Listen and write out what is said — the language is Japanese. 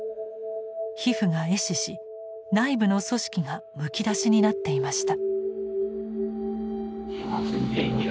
皮膚が壊死し内部の組織がむき出しになっていました。